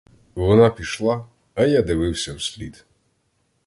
Вона пішла, а я дивився вслід.